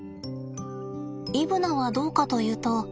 イブナはどうかというと。